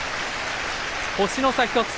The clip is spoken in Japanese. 星の差１つ。